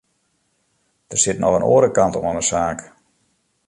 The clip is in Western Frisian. Der sit noch in oare kant oan de saak.